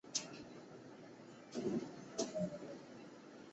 素攀地是某些泰国学者宣称曾经建立在其中部的古国。